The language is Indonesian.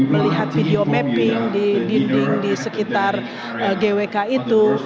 melihat video mapping di dinding di sekitar gwk itu